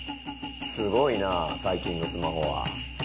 すごいな最近のスマホは。